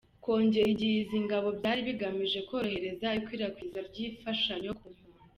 Kongerera igihe izi ngabo byari bigamije korohereza ikwirakwizwa ry’imfashanyo ku mpunzi.